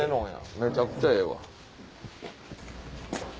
めちゃくちゃええわ。